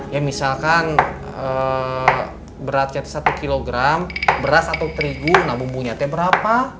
ya misalkan beratnya satu kilogram beras atau terigu nah bumbunyatnya berapa